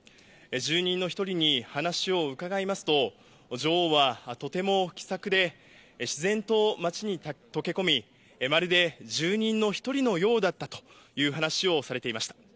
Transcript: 住人の１人に話を伺いますと、女王はとても気さくで、自然と町に溶け込み、まるで住人の一人のようだったという話をされていました。